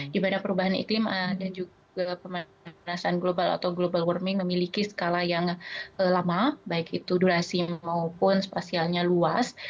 di mana perubahan iklim dan juga pemanasan global atau global warming memiliki skala yang lama baik itu durasinya maupun spasialnya luas